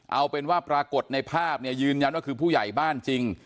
เอาเป็นว่าปรากฏในภาพเนี่ยยืนยันว่าคือผู้ใหญ่บ้านจริง